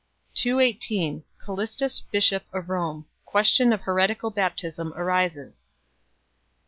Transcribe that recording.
218 Callistus bishop of Rome. Question of heretical baptism arises.